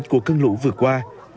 của cơn lũ vừa qua